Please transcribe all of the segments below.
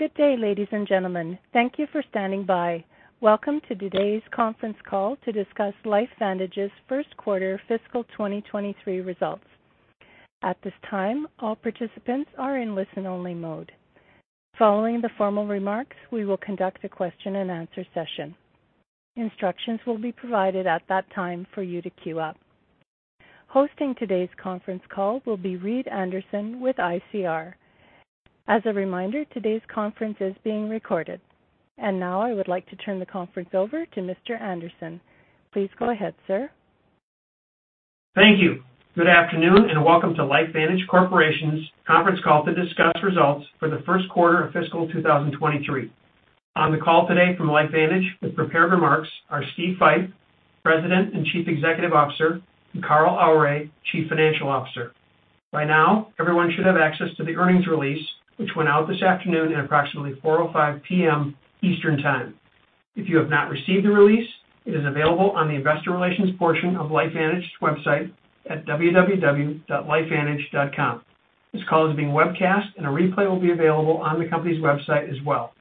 Good day, ladies and gentlemen. Thank you for standing by. Welcome to today's conference call to discuss LifeVantage's first quarter fiscal 2023 results. At this time, all participants are in listen-only mode. Following the formal remarks, we will conduct a question-and-answer session. Instructions will be provided at that time for you to queue up. Hosting today's conference call will be Reed Anderson with ICR. As a reminder, today's conference is being recorded. Now I would like to turn the conference over to Mr. Anderson. Please go ahead, sir. Thank you. Good afternoon, and welcome to LifeVantage Corporation's Conference Call to discuss results for the first quarter of fiscal 2023. On the call today from LifeVantage with prepared remarks are Steve Fife, President and Chief Executive Officer, and Carl Aure, Chief Financial Officer. By now, everyone should have access to the earnings release, which went out this afternoon at approximately 4:05 P.M. EST. If you have not received the release, it is available on the investor relations portion of LifeVantage's website at www.lifevantage.com. This call is being webcast, and a replay will be available on the company's website as well.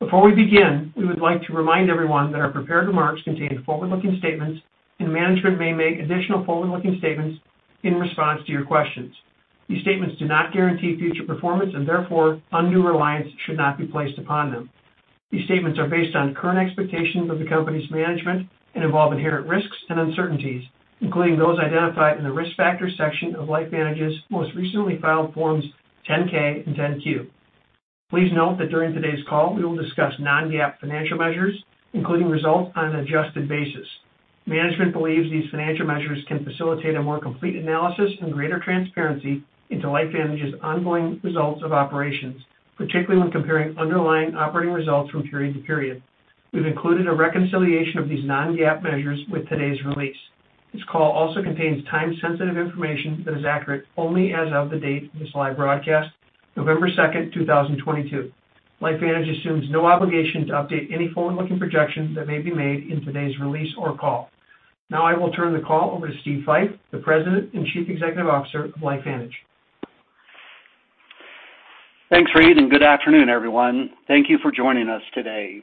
Before we begin, we would like to remind everyone that our prepared remarks contain forward-looking statements, and management may make additional forward-looking statements in response to your questions. These statements do not guarantee future performance, and therefore, undue reliance should not be placed upon them. These statements are based on current expectations of the company's management and involve inherent risks and uncertainties, including those identified in the Risk Factors section of LifeVantage's most recently filed Forms 10-K and 10-Q. Please note that during today's call, we will discuss non-GAAP financial measures, including results on an adjusted basis. Management believes these financial measures can facilitate a more complete analysis and greater transparency into LifeVantage's ongoing results of operations, particularly when comparing underlying operating results from period to period. We've included a reconciliation of these non-GAAP measures with today's release. This call also contains time-sensitive information that is accurate only as of the date of this live broadcast, November November 2nd 2022. LifeVantage assumes no obligation to update any forward-looking projections that may be made in today's release or call. Now I will turn the call over to Steve Fife, the President and Chief Executive Officer of LifeVantage. Thanks, Reed, and good afternoon, everyone. Thank you for joining us today.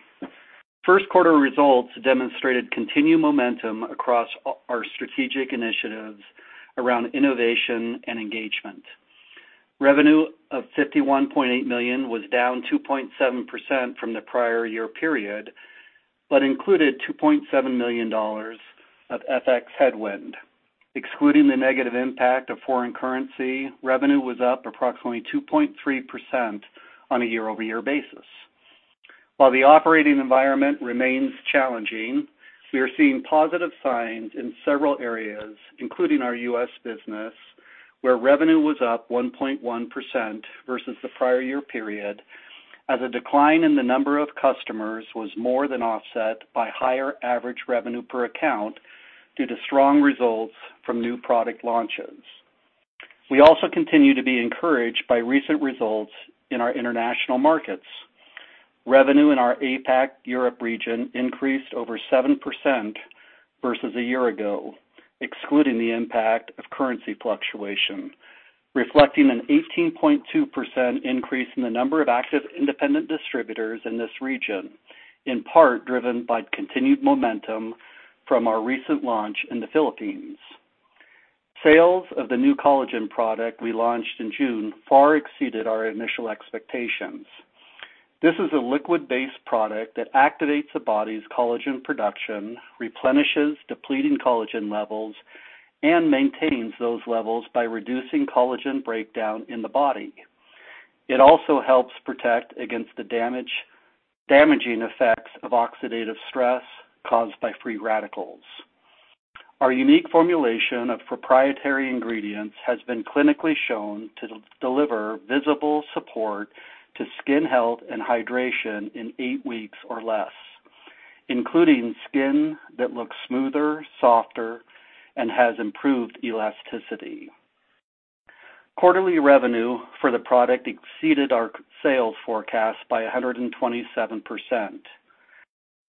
First quarter results demonstrated continued momentum across our strategic initiatives around innovation and engagement. Revenue of $51.8 million was down 2.7% from the prior year period, but included $2.7 million of FX headwind. Excluding the negative impact of foreign currency, revenue was up approximately 2.3% on a year-over-year basis. While the operating environment remains challenging, we are seeing positive signs in several areas, including our U.S. business, where revenue was up 1.1% versus the prior year period, as a decline in the number of customers was more than offset by higher average revenue per account due to strong results from new product launches. We also continue to be encouraged by recent results in our international markets. Revenue in our APAC Europe region increased over 7% versus a year ago, excluding the impact of currency fluctuation, reflecting an 18.2% increase in the number of active independent distributors in this region, in part driven by continued momentum from our recent launch in the Philippines. Sales of the new collagen product we launched in June far exceeded our initial expectations. This is a liquid-based product that activates the body's collagen production, replenishes depleting collagen levels, and maintains those levels by reducing collagen breakdown in the body. It also helps protect against the damaging effects of oxidative stress caused by free radicals. Our unique formulation of proprietary ingredients has been clinically shown to deliver visible support to skin health and hydration in 8 weeks or less, including skin that looks smoother, softer, and has improved elasticity. Quarterly revenue for the product exceeded our sales forecast by 127%.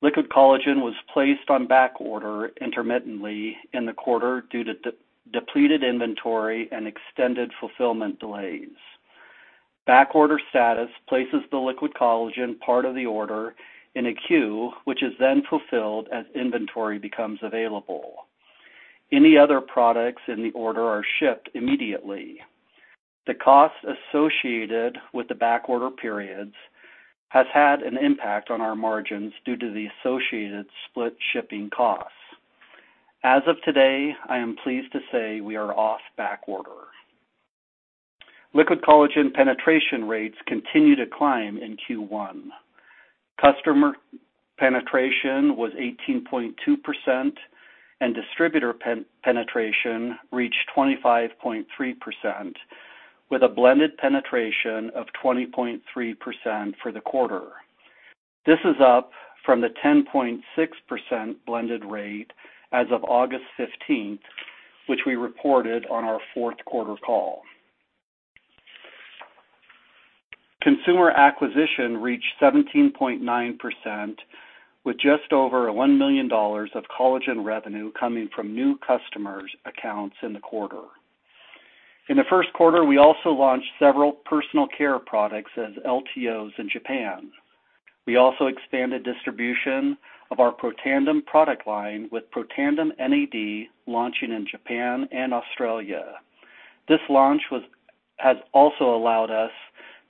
Liquid Collagen was placed on backorder intermittently in the quarter due to depleted inventory and extended fulfillment delays. Backorder status places the Liquid Collagen part of the order in a queue, which is then fulfilled as inventory becomes available. Any other products in the order are shipped immediately. The costs associated with the backorder periods has had an impact on our margins due to the associated split shipping costs. As of today, I am pleased to say we are off backorder. Liquid Collagen penetration rates continued to climb in Q1. Customer penetration was 18.2%, and distributor penetration reached 25.3%, with a blended penetration of 20.3% for the quarter. This is up from the 10.6% blended rate as of August 15, which we reported on our fourth quarter call. Consumer acquisition reached 17.9%, with just over $1 million of collagen revenue coming from new customers' accounts in the quarter. In the first quarter, we also launched several personal care products as LTOs in Japan. We also expanded distribution of our Protandim product line, with Protandim NAD launching in Japan and Australia. This launch has also allowed us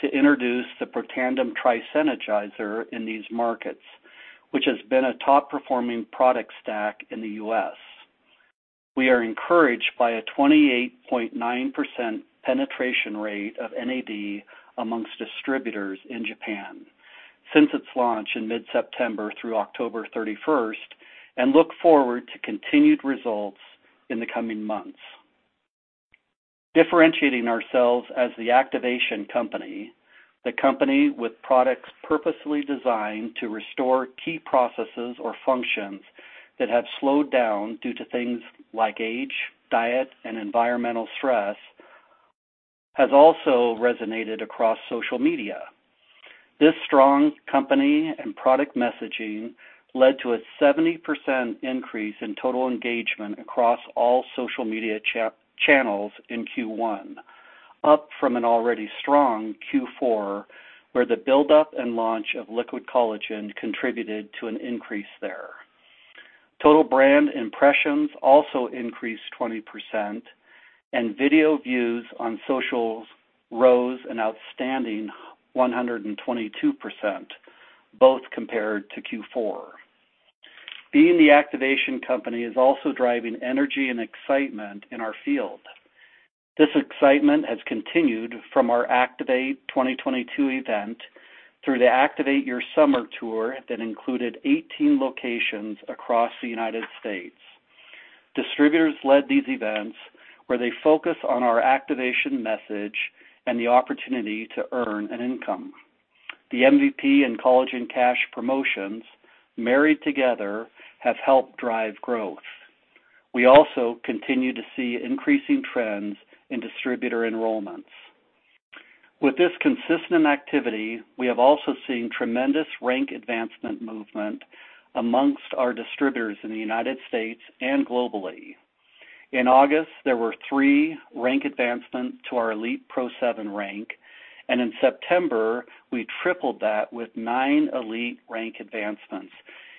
to introduce the Protandim Tri-Synergizer in these markets, which has been a top-performing product stack in the U.S. We are encouraged by a 28.9% penetration rate of NAD amongst distributors in Japan since its launch in mid-September through October 31, and look forward to continued results in the coming months. Differentiating ourselves as the activation company, the company with products purposely designed to restore key processes or functions that have slowed down due to things like age, diet, and environmental stress, has also resonated across social media. This strong company and product messaging led to a 70% increase in total engagement across all social media channels in Q1, up from an already strong Q4, where the buildup and launch of liquid collagen contributed to an increase there. Total brand impressions also increased 20%, and video views on socials rose an outstanding 122%, both compared to Q4. Being the activation company is also driving energy and excitement in our field. This excitement has continued from our Activate 2022 event through the Activate Your Summer tour that included 18 locations across the United States. Distributors led these events where they focus on our activation message and the opportunity to earn an income. The MVP and Collagen Cash promotions, married together, have helped drive growth. We also continue to see increasing trends in distributor enrollments. With this consistent activity, we have also seen tremendous rank advancement movement among our distributors in the United States and globally. In August, there were 3 rank advancements to our Elite Pro 7 rank, and in September, we tripled that with 9 Elite rank advancements,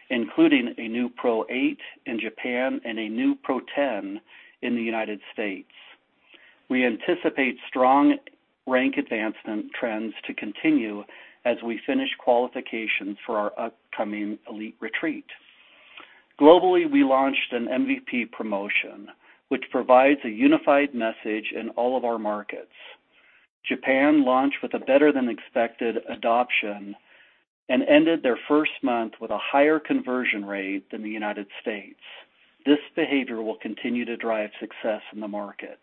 including a new Pro 8 in Japan and a new Pro 10 in the United States. We anticipate strong rank advancement trends to continue as we finish qualifications for our upcoming Elite retreat. Globally, we launched an MVP promotion, which provides a unified message in all of our markets. Japan launched with a better than expected adoption and ended their first month with a higher conversion rate than the United States. This behavior will continue to drive success in the market.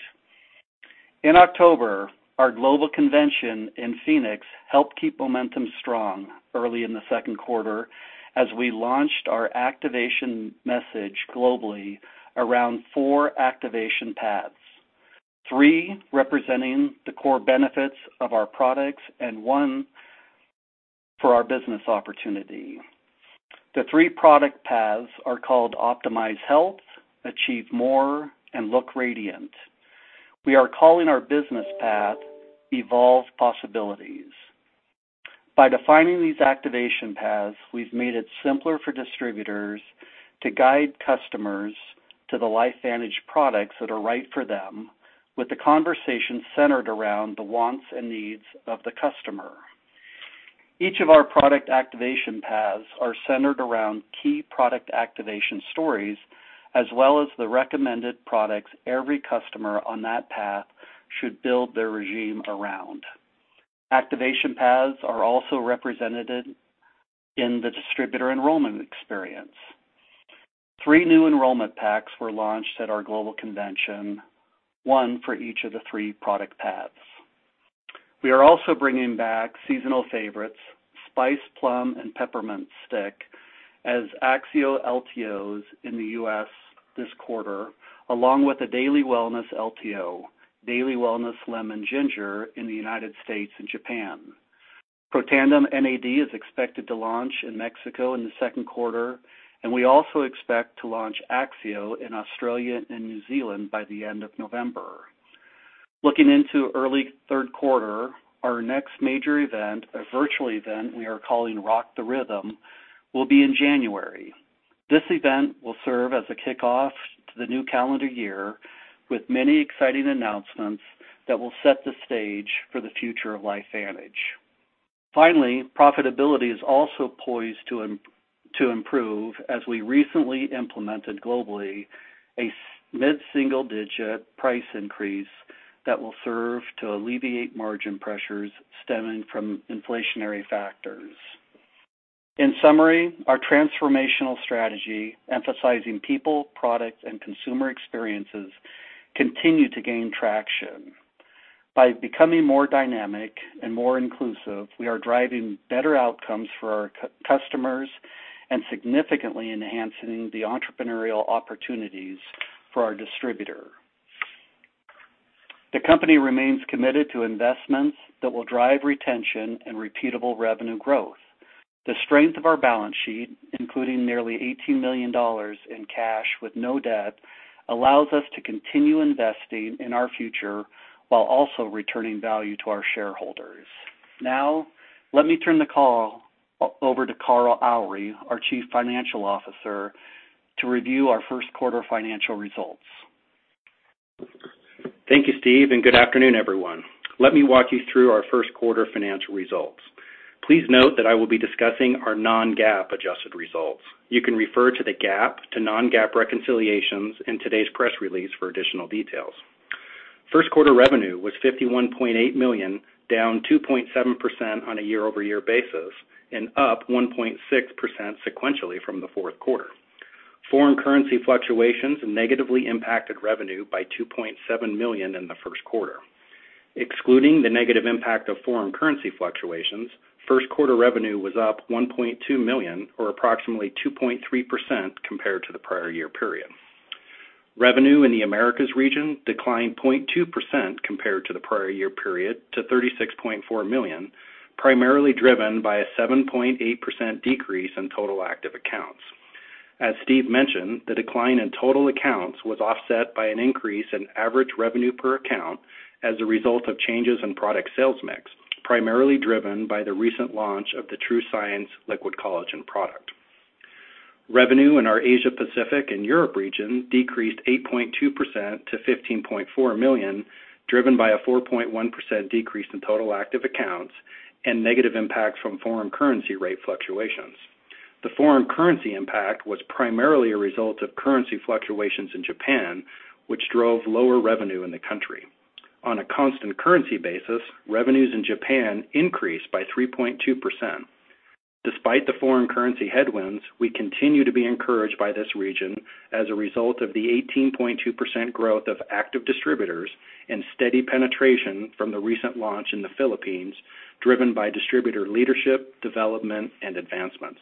In October, our global convention in Phoenix helped keep momentum strong early in the second quarter as we launched our activation message globally around four activation paths, three representing the core benefits of our products and one for our business opportunity. The three product paths are called Optimize Health, Achieve More, and Look Radiant. We are calling our business path Evolve Possibilities. By defining these activation paths, we've made it simpler for distributors to guide customers to the LifeVantage products that are right for them, with the conversation centered around the wants and needs of the customer. Each of our product activation paths are centered around key product activation stories, as well as the recommended products every customer on that path should build their regime around. Activation paths are also represented in the distributor enrollment experience. Three new enrollment packs were launched at our global convention, one for each of the three product paths. We are also bringing back seasonal favorites Spiced Plum and Peppermint Stick as Axio LTOs in the U.S. this quarter, along with a Daily Wellness LTO, Daily Wellness Lemon-Ginger in the United States and Japan. Protandim NAD is expected to launch in Mexico in the second quarter, and we also expect to launch Axio in Australia and New Zealand by the end of November. Looking into early third quarter, our next major event, a virtual event we are calling Rock the Rhythm, will be in January. This event will serve as a kickoff to the new calendar year with many exciting announcements that will set the stage for the future of LifeVantage. Finally, profitability is also poised to improve as we recently implemented globally a mid-single digit price increase that will serve to alleviate margin pressures stemming from inflationary factors. In summary, our transformational strategy emphasizing people, product, and consumer experiences continue to gain traction. By becoming more dynamic and more inclusive, we are driving better outcomes for our customers and significantly enhancing the entrepreneurial opportunities for our distributor. The company remains committed to investments that will drive retention and repeatable revenue growth. The strength of our balance sheet, including nearly $18 million in cash with no debt, allows us to continue investing in our future while also returning value to our shareholders. Now, let me turn the call over to Carl Aure, our Chief Financial Officer, to review our first quarter financial results. Thank you, Steve, and good afternoon, everyone. Let me walk you through our first quarter financial results. Please note that I will be discussing our non-GAAP adjusted results. You can refer to the GAAP to non-GAAP reconciliations in today's press release for additional details. First quarter revenue was $51.8 million, down 2.7% on a year-over-year basis and up 1.6% sequentially from the fourth quarter. Foreign currency fluctuations negatively impacted revenue by $2.7 million in the first quarter. Excluding the negative impact of foreign currency fluctuations, first quarter revenue was up $1.2 million or approximately 2.3% compared to the prior year period. Revenue in the Americas region declined 0.2% compared to the prior year period to $36.4 million, primarily driven by a 7.8% decrease in total active accounts. As Steve mentioned, the decline in total accounts was offset by an increase in average revenue per account as a result of changes in product sales mix, primarily driven by the recent launch of the TrueScience Liquid Collagen product. Revenue in our Asia Pacific and Europe region decreased 8.2% - $15.4 million, driven by a 4.1% decrease in total active accounts and negative impacts from foreign currency rate fluctuations. The foreign currency impact was primarily a result of currency fluctuations in Japan, which drove lower revenue in the country. On a constant currency basis, revenues in Japan increased by 3.2%. Despite the foreign currency headwinds, we continue to be encouraged by this region as a result of the 18.2% growth of active distributors and steady penetration from the recent launch in the Philippines, driven by distributor leadership, development, and advancements.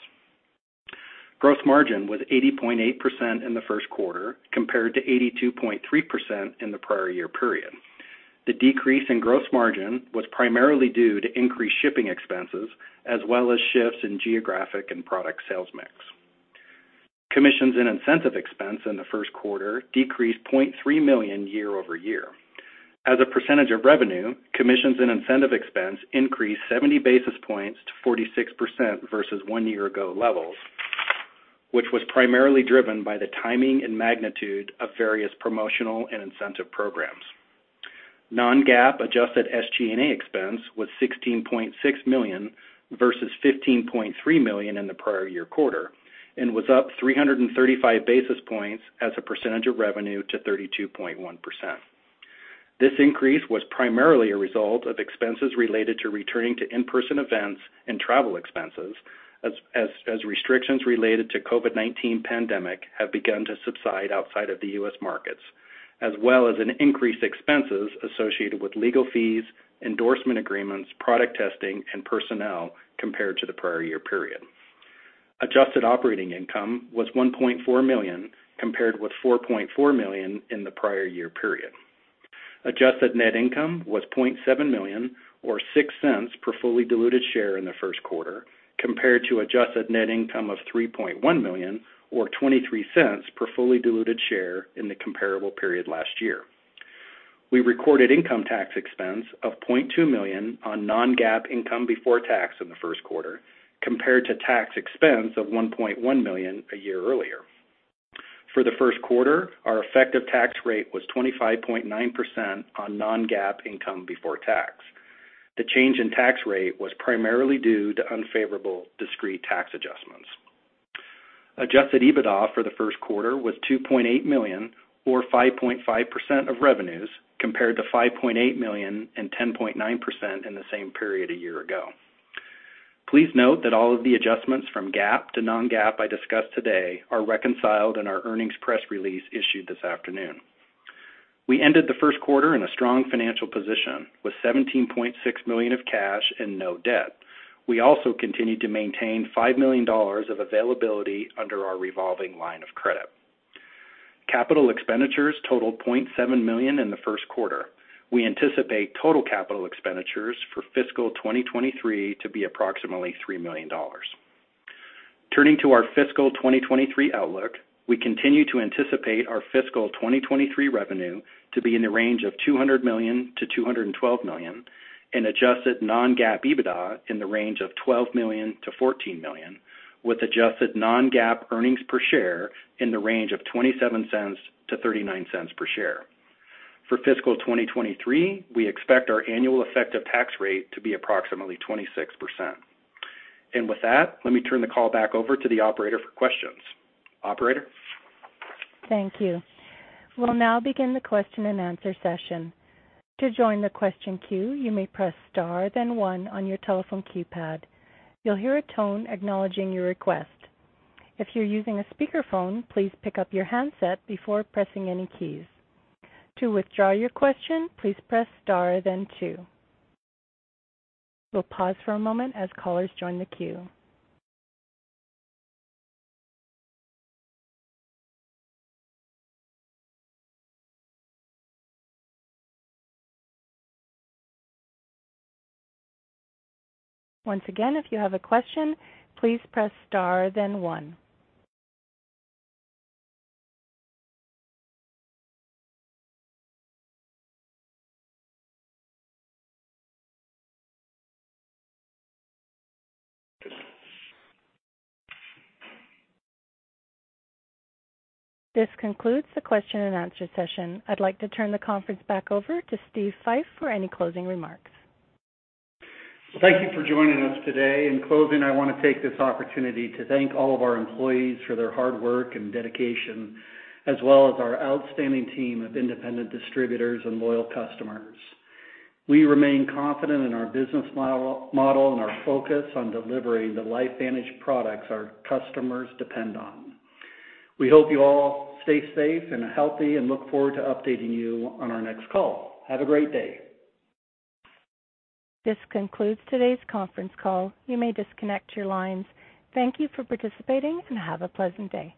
Gross margin was 80.8% in the first quarter compared to 82.3% in the prior year period. The decrease in gross margin was primarily due to increased shipping expenses as well as shifts in geographic and product sales mix. Commissions and incentive expense in the first quarter decreased $0.3 million year-over-year. As a percentage of revenue, commissions and incentive expense increased 70 basis points to 46% versus one year ago levels, which was primarily driven by the timing and magnitude of various promotional and incentive programs. Non-GAAP adjusted SG&A expense was $16.6 million versus $15.3 million in the prior year quarter and was up 335 basis points as a percentage of revenue to 32.1%. This increase was primarily a result of expenses related to returning to in-person events and travel expenses as restrictions related to COVID-19 pandemic have begun to subside outside of the U.S. markets, as well as an increase in expenses associated with legal fees, endorsement agreements, product testing, and personnel compared to the prior year period. Adjusted operating income was $1.4 million compared with $4.4 million in the prior year period. Adjusted net income was $0.7 million or $0.06 per fully diluted share in the first quarter compared to adjusted net income of $3.1 million or $0.23 per fully diluted share in the comparable period last year. We recorded income tax expense of $0.2 million on non-GAAP income before tax in the first quarter compared to tax expense of $1.1 million a year earlier. For the first quarter, our effective tax rate was 25.9% on non-GAAP income before tax. The change in tax rate was primarily due to unfavorable discrete tax adjustments. Adjusted EBITDA for the first quarter was $2.8 million or 5.5% of revenues compared to $5.8 million and 10.9% in the same period a year ago. Please note that all of the adjustments from GAAP to non-GAAP I discussed today are reconciled in our earnings press release issued this afternoon. We ended the first quarter in a strong financial position with $17.6 million of cash and no debt. We also continued to maintain $5 million of availability under our revolving line of credit. Capital expenditures totaled $0.7 million in the first quarter. We anticipate total capital expenditures for fiscal 2023 to be approximately $3 million. Turning to our fiscal 2023 outlook, we continue to anticipate our fiscal 2023 revenue to be in the range of $200 million-$212 million and adjusted non-GAAP EBITDA in the range of $12 million-$14 million, with adjusted non-GAAP earnings per share in the range of $0.27-$0.39 per share. For fiscal 2023, we expect our annual effective tax rate to be approximately 26%. With that, let me turn the call back over to the operator for questions. Operator? Thank you. We'll now begin the question and answer session. To join the question queue, you may press star then one on your telephone keypad. You'll hear a tone acknowledging your request. If you're using a speakerphone, please pick up your handset before pressing any keys. To withdraw your question, please press star then two. We'll pause for a moment as callers join the queue. Once again, if you have a question, please press star then one. This concludes the question and answer session. I'd like to turn the conference back over to Steve Fife for any closing remarks. Thank you for joining us today. In closing, I wanna take this opportunity to thank all of our employees for their hard work and dedication, as well as our outstanding team of independent distributors and loyal customers. We remain confident in our business model and our focus on delivering the LifeVantage products our customers depend on. We hope you all stay safe and healthy and look forward to updating you on our next call. Have a great day. This concludes today's conference call. You may disconnect your lines. Thank you for participating and have a pleasant day.